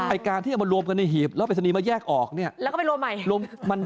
ไอ้การที่เอามารวมกันในหีบแล้วปริศนีย์มาแยกออกเนี่ยแล้วก็ไปรวมใหม่รวมมัน